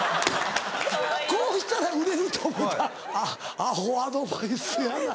こうしたら売れると思うたアホアドバイスやな。